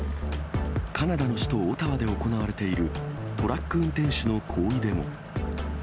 カナダの首都オタワで行われているトラック運転手の抗議デモ。